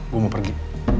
gue mau pergi